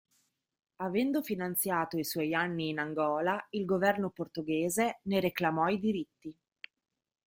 Avendo finanziato i suoi anni in Angola, il governo portoghese ne reclamò i diritti.